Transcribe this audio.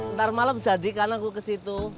ntar malem jadikan aku ke situ